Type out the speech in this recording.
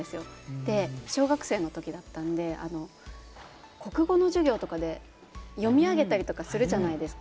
で、小学生のときだったんで国語の授業とかで読み上げたりとかするじゃないですか。